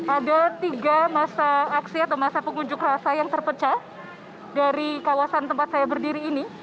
ada tiga masa aksi atau masa pengunjuk rasa yang terpecah dari kawasan tempat saya berdiri ini